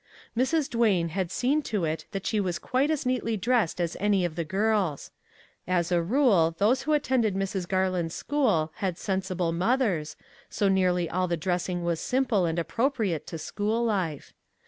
Mrs. Duane had seen to it that she was quite as neatly dressed as any of the girls. As a rule, those who attended Mrs. Garland's school had sensible mothers, so nearly all the dressing was simple and appro 3H A MEMORABLE BIRTHDAY priate to school life.